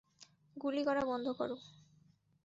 গুলি করা বন্ধ করো!